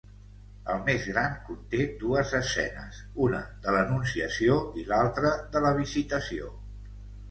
El més gran conté dues escenes, una de l'Anunciació i l'altra de la Visitació.